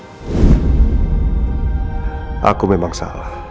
saya memang salah